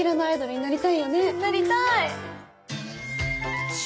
なりたい！